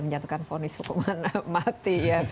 mengenai hukuman mati